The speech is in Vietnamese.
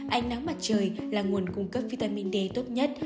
ánh nắng mặt trời là nguồn cung cấp vitamin d tốt nhất